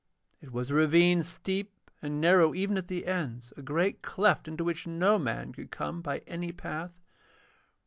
It was a ravine steep and narrow even at the ends, a great cleft into which no man could come by any path.